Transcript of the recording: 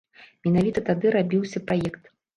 Менавіта тады рабіўся праект.